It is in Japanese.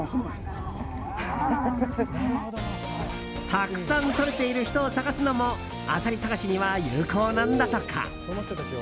たくさんとれている人を探すのもアサリ探しには有効なんだとか。